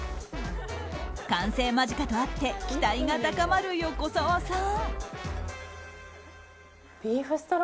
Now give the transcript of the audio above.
完成間近とあって期待が高まる横澤さん。